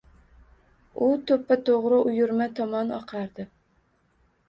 U to‘ppa-to‘g‘ri uyurma tomon oqardi